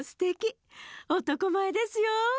おとこまえですよ。